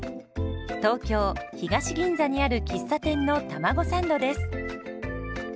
東京・東銀座にある喫茶店のたまごサンドです。